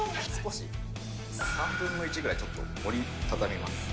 ３分の１ぐらいちょっと折り畳みます。